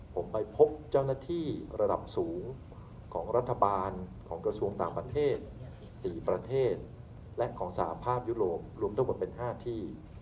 ผมไปพบเจ้าหน้าที่ระดับสูงของรัฐบาลของกระทรวงต่างประเทศ๔ประเทศและของสหภาพยุโรปรวมทั้งหมดเป็น๕ที่